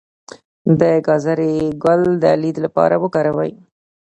د ګازرې ګل د لید لپاره وکاروئ